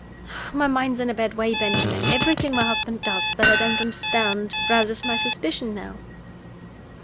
"My mind is in a bad way, Benjamin. Everything my husband does that I don't understand rouses my suspicion now."